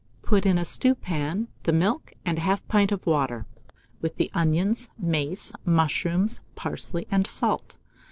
Put in a stewpan the milk, and 1/2 pint of water, with the onions, mace, mushrooms, parsley, and salt.